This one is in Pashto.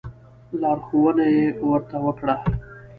لارښوونه یې ورته وکړه.